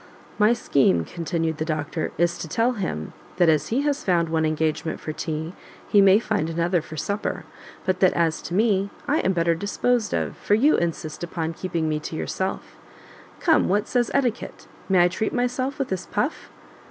"My scheme," continued the doctor, "is to tell him, that as he has found one engagement for tea, he may find another for supper; but that as to me, I am better disposed of, for you insist upon keeping me to yourself. Come, what says etiquette? may I treat myself with this puff?"